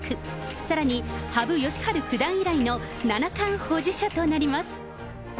さらに羽生善治九段以来の七冠保持者となります。